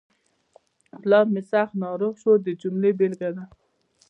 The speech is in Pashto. پلار مې سخت ناروغ شو د جملې بېلګه ده.